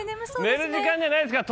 寝る時間じゃないですから。